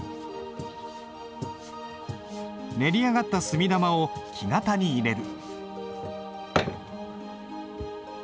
練り上がった墨玉を木型に入れる。